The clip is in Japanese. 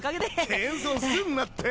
謙遜すんなって。